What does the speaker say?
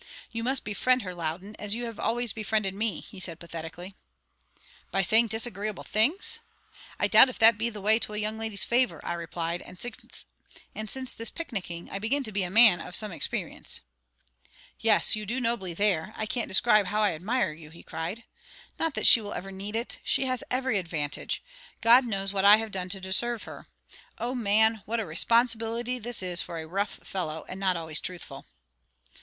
"You must befriend her, Loudon, as you have always befriended me," he said, pathetically. "By saying disagreeable things? I doubt if that be the way to a young lady's favour," I replied; "and since this picnicking I begin to be a man of some experience." "Yes, you do nobly there; I can't describe how I admire you," he cried. "Not that she will ever need it; she has had every advantage. God knows what I have done to deserve her. O man, what a responsibility this is for a rough fellow and not always truthful!"